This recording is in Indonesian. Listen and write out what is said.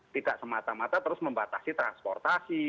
tidak semata mata terus membatasi transportasi